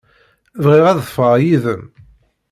Bɣiɣ ad ffɣeɣ yid-m.